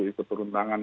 itu turun tangan